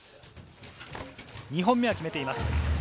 ２本目は決めています。